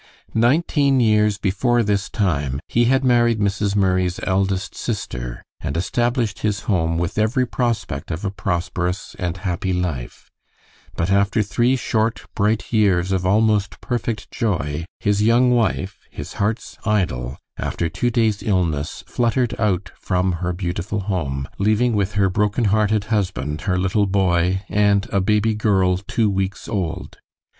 Nineteen years before this time he had married Mrs. Murray's eldest sister, and established his home with every prospect of a prosperous and happy life, but after three short, bright years of almost perfect joy, his young wife, his heart's idol, after two days' illness, fluttered out from her beautiful home, leaving with her broken hearted husband her little boy and a baby girl two weeks old.